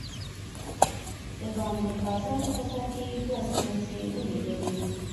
دباندې په آزاده فضا کې يې دوه سمڅې وليدلې.